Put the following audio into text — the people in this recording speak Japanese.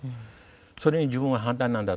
それに自分は反対なんだと。